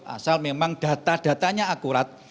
asal memang data datanya akurat